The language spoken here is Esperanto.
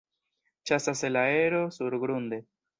Ĉasas el aero surgrunde.